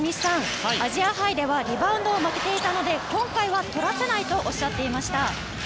アジアカップではリバウンドを負けていたので今回は取らせないとおっしゃっていました。